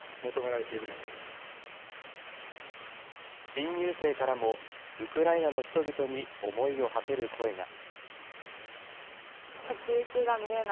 新入生からもウクライナの人々に思いをはせる声が。